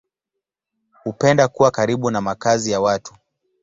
Hupenda kuwa karibu na makazi ya watu.